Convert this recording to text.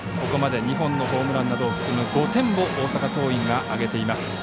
ここまで２本のホームランなどを含む５点を大阪桐蔭が挙げています。